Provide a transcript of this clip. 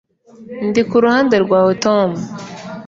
ndi kuruhande rwawe, tom